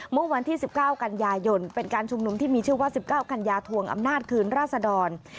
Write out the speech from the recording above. เมื่อวันที่๑๙กันยายนเป็นการชุมนุมที่มีชื่อว่า๑๙กันยาทวงอำนาจคืนราษดร